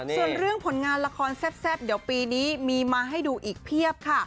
ส่วนเรื่องผลงานละครแซ่บเดี๋ยวปีนี้มีมาให้ดูอีกเพียบค่ะ